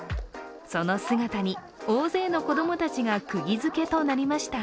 その姿に、大勢の子供たちが釘付けとなりました。